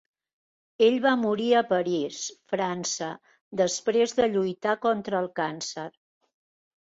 Ell va morir a París, França, després de lluitar contra el càncer.